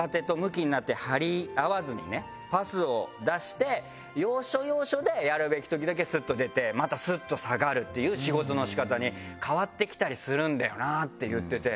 パスを出して要所要所でやるべき時だけスッと出てまたスッと下がるっていう仕事の仕方に変わってきたりするんだよなって言ってて。